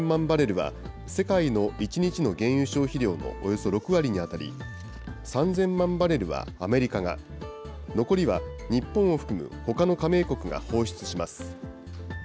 バレルは、世界の１日の原油消費量のおよそ６割に当たり、３０００万バレルはアメリカが、残りは日本を含むほかの加盟国が放出します。